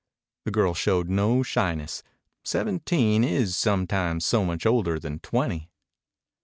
The girl showed no shyness. Seventeen is sometimes so much older than twenty.